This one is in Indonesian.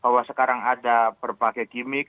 bahwa sekarang ada berbagai gimmick